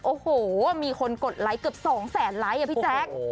โอ้โหมีคนกดไลค์เกือบ๒แสนไลค์อะพี่แจ๊ค